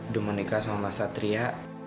demonika sama mas satria